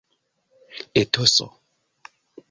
etoso